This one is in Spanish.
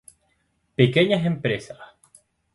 Pequeñas empresas